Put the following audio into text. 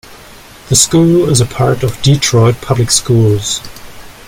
The school is a part of Detroit Public Schools.